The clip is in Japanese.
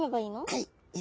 はい。